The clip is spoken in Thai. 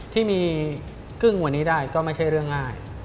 ที่มีกึ้งวันนี้ได้ก็ไม่ใช่เรื่องง่าย